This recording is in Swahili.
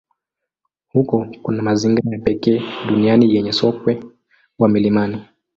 Huko kuna mazingira ya pekee duniani yenye sokwe wa milimani.